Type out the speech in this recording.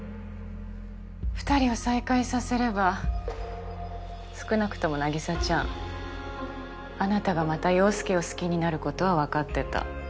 ２人を再会させれば少なくとも凪沙ちゃんあなたがまた陽佑を好きになることは分かってた。